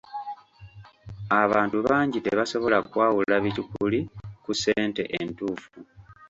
Abantu bangi tebasobola kwawula bikyupuli ku ssente entuufu.